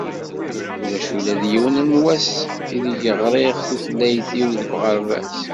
Ulac ula d yiwen n wass i deg i ɣriɣ tutlayt-iw deg uɣerbaz.